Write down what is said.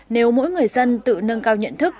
nếu mỗi người dân tự nâng cao nhận thức